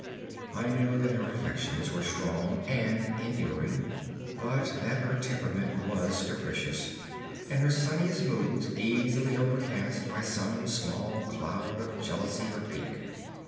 I knew that her affections were strong and enduring, but that her temperament was capricious, and her sunniest moods easily overcast by some small cloud of jealousy or pique.